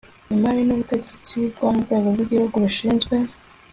imari n ubutegetsi mu rwego rw igihugu rushinzwe